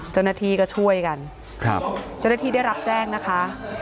เจ้าหน้าที่ก็ช่วยกันครับเจ้าหน้าที่ได้รับแจ้งนะคะ